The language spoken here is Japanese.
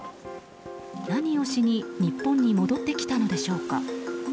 何をしに日本に戻ってきたのでしょうか。